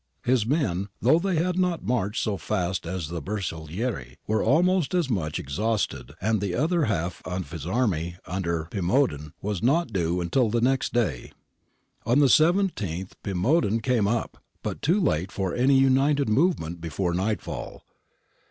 His men, though they had not marched so fast as the Bersaglieri, were almost as much exhausted, and the other half of his army under Pimodan was not due until the next day. On the 17th Pimodan came up, but too late for any united movement before nightfall.